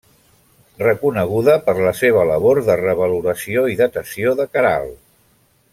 Reconeguda per la seva labor de revaloració i datació de Caral.